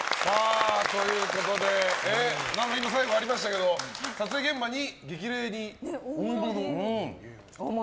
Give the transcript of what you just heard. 最後にもありましたけど撮影現場に激励に大物？